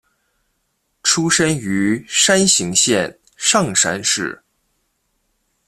出身于山形县上山市。